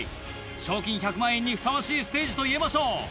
賞金１００万円にふさわしいステージといえましょう。